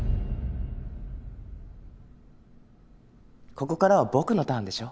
ここからは僕のターンでしょ？